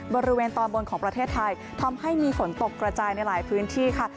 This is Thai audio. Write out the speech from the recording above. บริเวณตอนบนของประเทศไทยทำให้มีฝนตกกระจายในหลายพื้นที่ค่ะ